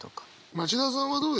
町田さんはどうですか？